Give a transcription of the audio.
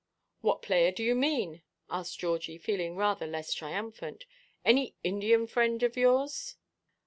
"What player do you mean?" asked Georgie, feeling rather less triumphant. "Any Indian friend of yours?"